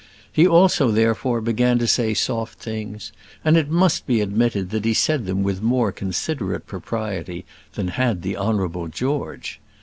He also, therefore, began to say soft things; and it must be admitted that he said them with more considerate propriety than had the Honourable George.